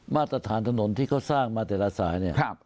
มาตรฐานถนนที่เขาสร้างมาแต่ละสายเนี่ย